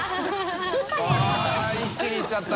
△一気にいっちゃった。